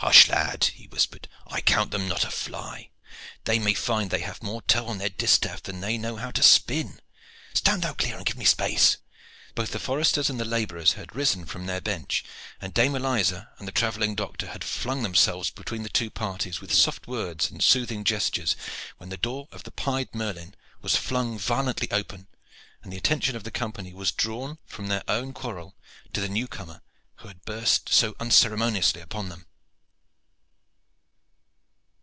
"Hush! lad," he whispered, "I count them not a fly. They may find they have more tow on their distaff than they know how to spin. Stand thou clear and give me space." Both the foresters and the laborers had risen from their bench, and Dame Eliza and the travelling doctor had flung themselves between the two parties with soft words and soothing gestures, when the door of the "Pied Merlin" was flung violently open, and the attention of the company was drawn from their own quarrel to the new comer who had burst so unceremoniously upon them.